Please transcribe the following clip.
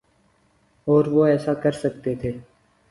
اور وہ ایسا کر سکتے تھے۔